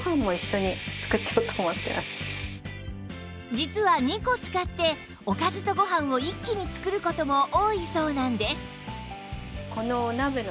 実は２個使っておかずとご飯を一気に作る事も多いそうなんです